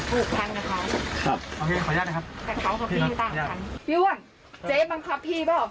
เรือนเจ๊มันผลัพพี่ป่ะ